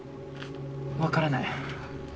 分からない。